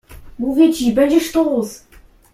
Mówię ci, będzie sztos!